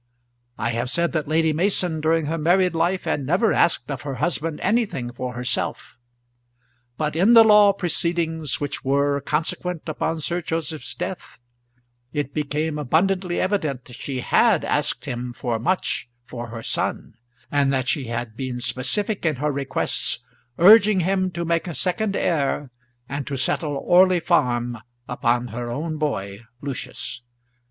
I have said that Lady Mason during her married life had never asked of her husband anything for herself; but in the law proceedings which were consequent upon Sir Joseph's death, it became abundantly evident that she had asked him for much for her son, and that she had been specific in her requests, urging him to make a second heir, and to settle Orley Farm upon her own boy, Lucius.